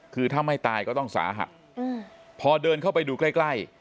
คือถ้าไม่ตายก็ต้องสาหัสพอเดินเข้าไปดูใกล้ใกล้